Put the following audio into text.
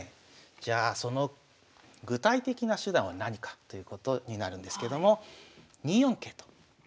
じゃあその具体的な手段は何かということになるんですけども２四桂と。